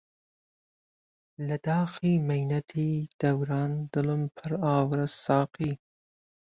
لە داخی مەینەتی دەوران دلم پر ئاورە ساقی